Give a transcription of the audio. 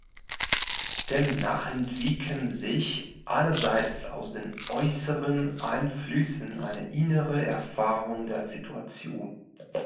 Demnach entwickeln sich einerseits aus den äußeren Einflüssen eine innere Erfahrung der Situation.